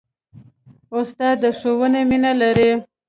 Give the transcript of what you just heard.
استاد د ښوونې مینه لري.